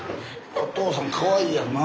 お父さんかわいいやんな。